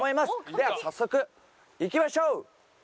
では早速行きましょう！